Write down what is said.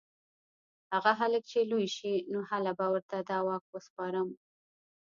هغه هلک چې لوی شي نو هله به ورته دا واک سپارم